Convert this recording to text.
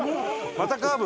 またカーブ。